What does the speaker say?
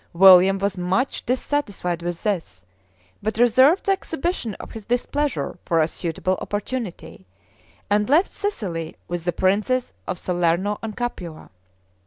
William was much dissatisfied with this, but reserved the exhibition of his displeasure for a suitable opportunity, and left Sicily with the princes of Salerno and Capua.